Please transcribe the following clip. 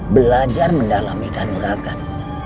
belajar mendalam ikan nurakan